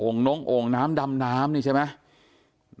น้องโอ่งน้ำดำน้ำนี่ใช่ไหม